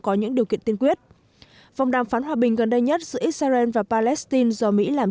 có những điều kiện tiên quyết vòng đàm phán hòa bình gần đây nhất giữa israel và palestine do mỹ làm